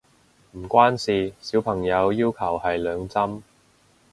唔關事，小朋友要求係兩針